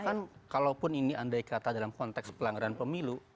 kan kalaupun ini andai kata dalam konteks pelanggaran pemilu